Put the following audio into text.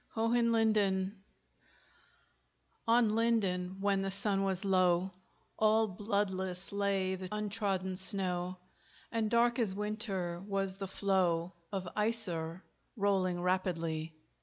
HOHENLINDEN On Linden, when the sun was low, All bloodless lay th' untrodden snow; And dark as winter was the flow Of Iser, rolling rapidly.